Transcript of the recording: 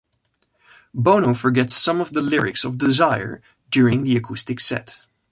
Bono forgets some of the lyrics of "Desire" during the acoustic set.